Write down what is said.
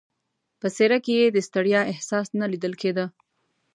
په څېره کې یې د ستړیا احساس نه لیدل کېده.